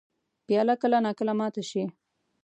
پیاله کله نا کله ماته شي.